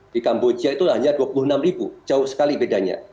di kamboja itu hanya dua puluh enam ribu jauh sekali bedanya